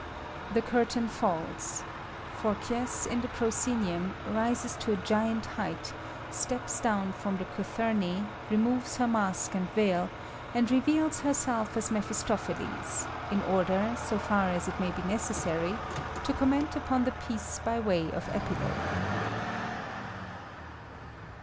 [ The curtain falU. Phobkyjls, in the proscenvumy rises to a giant height, steps down from the cothnmi, removes her mask a/nd veil, and reveals herself as Mephistophelbs, in order, so far as it wkit/ be necessary, to comment upon the piece by way of Epilogue.